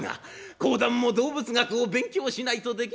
講談も動物学を勉強しないとできなくなりましたが。